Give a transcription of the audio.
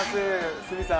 鷲見さん。